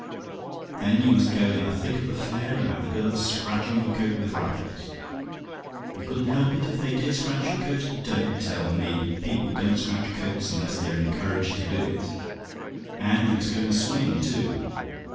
"Then you must go in the thick of the fair, and have the girls scratching your coat with rattles! "YOU COULDN'T HELP IT, IF THEY DID SCRATCH YOUR COAT? "Don't tell me; people don't scratch coats unless they're encouraged to do it. And you must go in a swing, too.